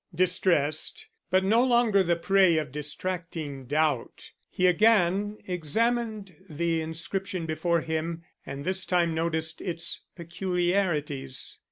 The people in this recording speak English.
Distressed, but no longer the prey of distracting doubt, he again examined the inscription before him and this time noticed its peculiarities.